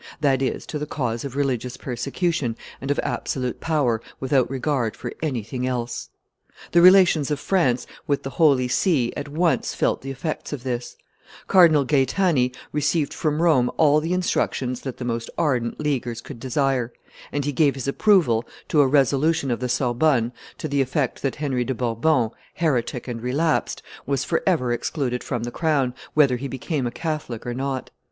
that is, to the cause of religious persecution and of absolute power, without regard for anything else. The relations of France with the Holy See at once felt the effects of this; Cardinal Gaetani received from Rome all the instructions that the most ardent Leaguers could desire; and he gave his approval to a resolution of the Sorbonne to the effect that Henry de Bourbon, heretic and relapsed, was forever excluded from the crown, whether he became a Catholic or not.